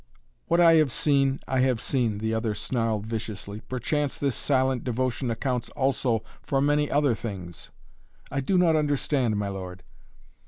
"What I have seen, I have seen," the other snarled viciously. "Perchance this silent devotion accounts also for many other things." "I do not understand, my lord."